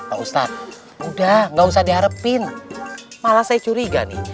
pak ustadz udah gak usah diharapin malah saya curiga nih